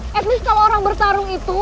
setidaknya kalo orang bertarung itu